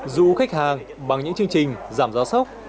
du khách hàng bằng những chương trình giảm gió sốc